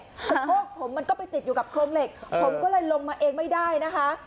สะโพกผมมันก็ไปติดอยู่กับโครงเหล็กผมก็เลยลงมาเองไม่ได้นะคะ